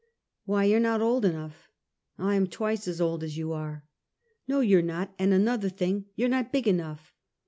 " Why, you're not old enough!" " I am twice as old as you are ! "iN^o, you're not; and another thing, you're not big enough!"